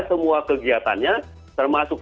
semua kegiatannya termasuk